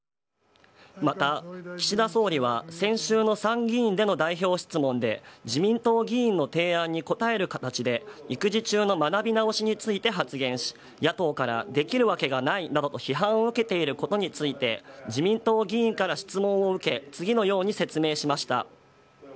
また、岸田総理は先週の参議院での代表質問で、自民党議員の提案に答える形で、育児中の学び直しについて発言し、野党からできるわけがないなどと批判を受けていることについて、自民党議員から質問を受け、次のように説明しました。